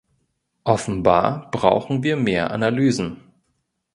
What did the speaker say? Offenbar brauchen wir mehr Analysen.